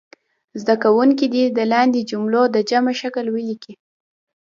زده کوونکي دې د لاندې کلمو د جمع شکل ولیکي.